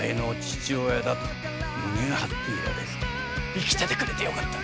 生きててくれてよかった。